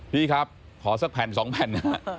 พี่ครับขอสักแผ่นสองแผ่น